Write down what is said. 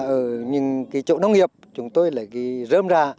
ở những cái chỗ nông nghiệp chúng tôi lại rơm ra